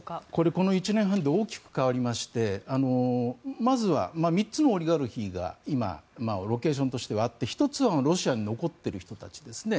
この１年半で大きく変わりましてまずは３つのオリガルヒが今ロケーションとしてはあって１つはロシアに残っている人たちですね。